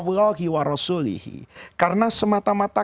karena semata mata ketataatan